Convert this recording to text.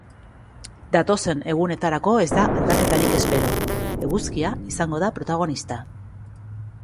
Datozen egunetarako ez da aldaketarik espero, eguzkia izango da protagonista.